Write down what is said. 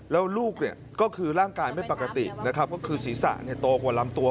แล้วลูกเนี่ยก็คือร่างกายไม่ปกตินะครับก็คือศีรษะโตกว่าลำตัว